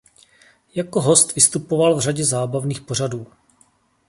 Jako host vystupoval v řadě zábavných pořadů.